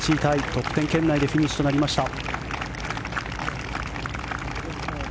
トップ１０圏内でフィニッシュとなりました。